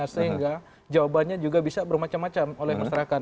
sehingga jawabannya juga bisa bermacam macam oleh masyarakat